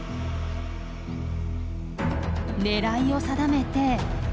狙いを定めて。